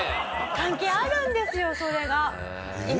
関係あるんですよそれが。